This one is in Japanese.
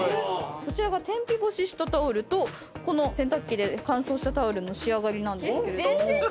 こちらが天日干ししたタオルとこの洗濯機で乾燥したタオルの仕上がりなんですけれども。